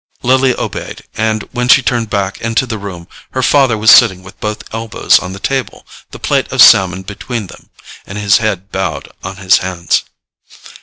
Lily obeyed, and when she turned back into the room her father was sitting with both elbows on the table, the plate of salmon between them, and his head bowed on his hands.